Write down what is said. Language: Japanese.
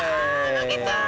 負けた！